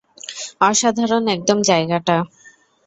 অসাধারণ একদম জায়গাটা।